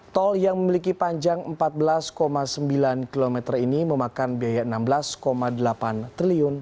tol yang memiliki panjang empat belas sembilan km ini memakan biaya rp enam belas delapan triliun